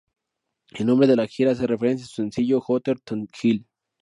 El nombre de la gira hace referencia su sencillo "Hotter than Hell".